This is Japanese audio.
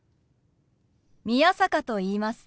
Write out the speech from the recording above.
宮坂と言います。